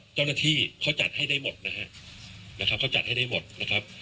เจ้าหน้าที่เขาจัดให้ได้หมดนะฮะนะครับเขาจัดให้ได้หมดนะครับ